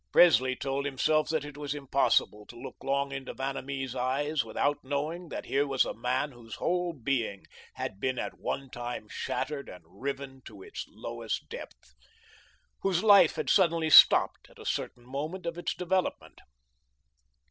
Presley told himself that it was impossible to look long into Vanamee's eyes without knowing that here was a man whose whole being had been at one time shattered and riven to its lowest depths, whose life had suddenly stopped at a certain moment of its development.